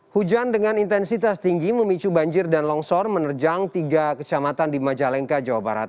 hujan dengan intensitas tinggi memicu banjir dan longsor menerjang tiga kecamatan di majalengka jawa barat